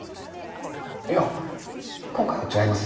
いや今回は違います。